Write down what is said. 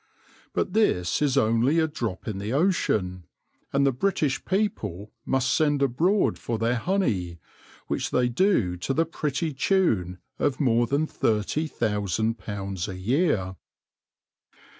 But this is only a drop in the ocean, and the British people must send abroad for their honey, which they do to the pretty tune of more than £30,000 a year.